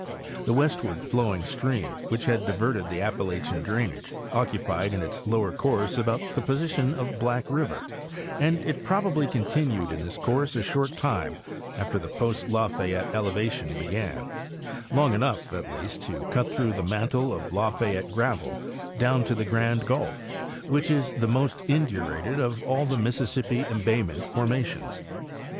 The westward flowing stream which had diverted the Appa lachian drainage occupied in its lower course about the position of Black river, and it probably continued in this course a short time after the post Lafayette elevation began—long enough, at least, to cut through the mantle of Lafayette gravel down to the Grand gulf, which is the most indurated of all the Mississippi embayment formations.